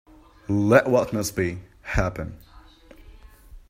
Let what must be, happen.